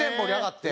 って。